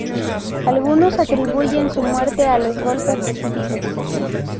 Algunos atribuyen su muerte a los golpes recibidos.